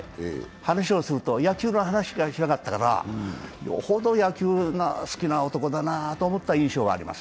話をすると、野球の話しかしなかったから、よほど野球が好きな男だなと思った印象があります。